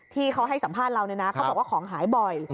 ที่เขาให้สัมภาษณ์เราเนี่ยนะเขาบอกว่าของหายบ่อย